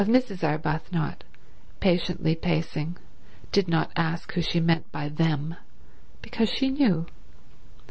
_" Mrs. Arbuthnot, patiently pacing, did not ask who she meant by them, because she knew.